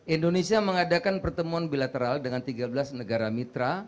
indonesia mengadakan pertemuan bilateral dengan tiga belas negara mitra